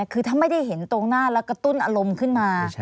คือถ้าไม่ได้เห็นตรงหน้าแล้วกระตุ้นอารมณ์ขึ้นมา